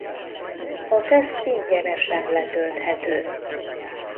A teszt ingyenesen letölthető.